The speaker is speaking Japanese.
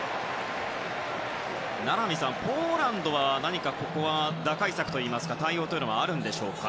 名波さん、ポーランドは何かここは打開策というか対応というのはあるんでしょうか。